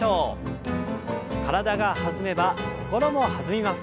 体が弾めば心も弾みます。